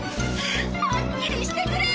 はっきりしてくれよ！